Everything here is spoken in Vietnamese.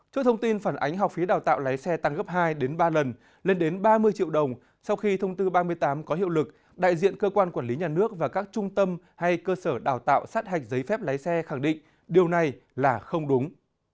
trước thông tin phản ánh học phí đào tạo lái xe tăng gấp hai đến ba lần lên đến ba mươi triệu đồng sau khi thông tư ba mươi tám có hiệu lực đại diện cơ quan quản lý nhà nước và các trung tâm hay cơ sở đào tạo sát hạch giấy phép lái xe khẳng định điều này là không đúng